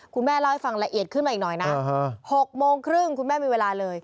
คุณแม่เล่าให้ฟังละเอียดขึ้นมาอีกหน่อยนะ๖โมงครึ่งคุณแม่มีเวลาเลย